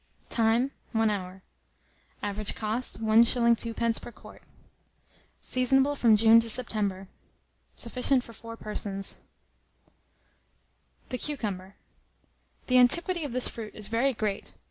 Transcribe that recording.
Time. 1 hour. Average cost, 1s. 2d. per quart. Seasonable from June to September. Sufficient for 4 persons. THE CUCUMBER. The antiquity of this fruit is very great.